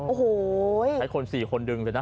โอ้โหแค่คนสี่คนดึงเลยนะ